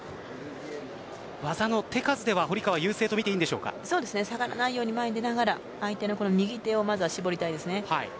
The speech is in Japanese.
技の手数では堀川、優勢と見て下がらないように見ながら相手の右手を絞りたいですね。